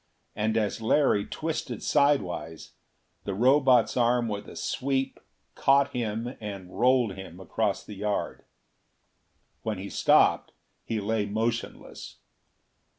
And as Larry twisted sidewise, the Robot's arm with a sweep caught him and rolled him across the yard. When he stopped, he lay motionless.